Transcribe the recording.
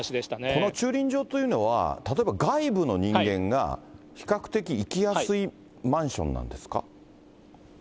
この駐輪場というのは、例えば外部の人間が比較的行きやすいマンションなんですか？